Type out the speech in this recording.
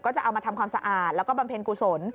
จะเอามาทำความสะอาดแล้วก็บำเพ็ญกุศล